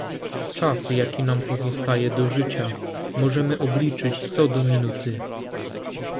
"Czas, jaki nam pozostaje do życia, możemy obliczyć co do minuty."